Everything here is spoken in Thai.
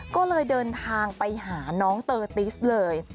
ก็เลยเดินทางไปหาน้องเตอร์ติสเลย